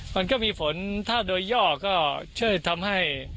มันก็มีฝนถ้าโดยย่อก็ช่วยทำให้